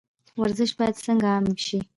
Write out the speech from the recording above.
ورزش باید څنګه عام شي؟